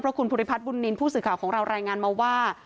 คุณภูริพัฒนบุญนินทร์ผู้สื่อข่าวของเรารายงานมาว่า